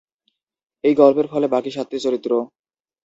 এই গল্পের ফলে বাকি সাতটি চরিত্র।